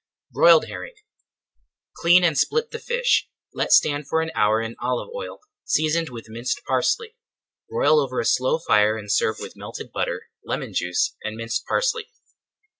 BROILED HERRING Clean and split the fish. Let stand for an hour in olive oil, seasoned with minced parsley. Broil over a slow fire and serve with melted butter, lemon juice and minced parsley.